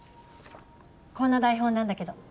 こんな台本なんだけど。